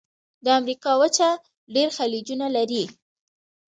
د امریکا وچه ډېر خلیجونه لري.